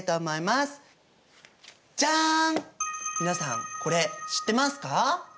皆さんこれ知ってますか？